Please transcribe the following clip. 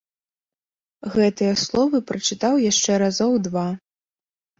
Гэтыя словы прачытаў яшчэ разоў два.